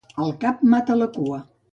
El cap mata la cua.